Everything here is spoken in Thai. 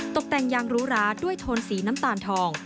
ตกแต่งอย่างหรูหราด้วยโทนสีน้ำตาลทอง